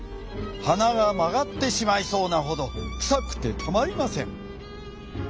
はながまがってしまいそうなほどくさくてたまりません。